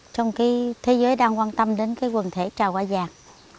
trong thế giới đang quan tâm đến quần thể trào hoa vàng